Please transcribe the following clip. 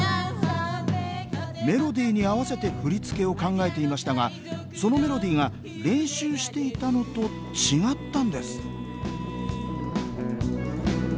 メロディーに合わせて振り付けを考えていましたがそのメロディーが練習していたのと違ったんです